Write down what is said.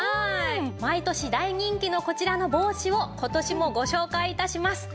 毎年大人気のこちらの帽子を今年もご紹介致します。